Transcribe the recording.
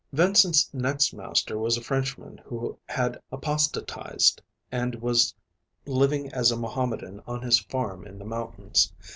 Vincent's next master was a Frenchman who had apostatized and was living as a Mohammedan on his farm in the mountains.